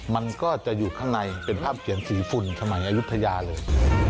มันก็จะอยู่ข้างในเป็นภาพเขียนสีฝุ่นสมัยอายุทยาเลย